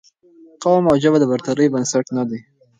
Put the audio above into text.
قوم او ژبه د برترۍ بنسټ نه دي